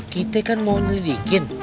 kita kan mau nilai dikit